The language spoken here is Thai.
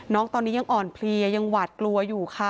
น้องตอนนี้ยังอ่อนเพลียยังหวาดกลัวอยู่ค่ะ